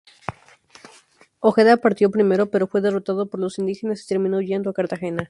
Ojeda partió primero pero fue derrotado por los indígenas y terminó huyendo a Cartagena.